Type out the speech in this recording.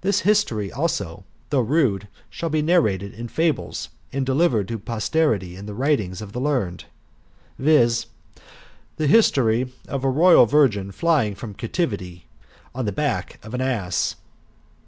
This history, also, though rude, shall be narrated in fables, and delivered to posterity in the writings of the learned ; viz. the history of a ROYAL VIRGIN rLYING FROM CAPTIVITY ON THE BACK OF AN ASS.